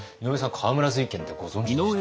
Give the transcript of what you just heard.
河村瑞賢ってご存じでした？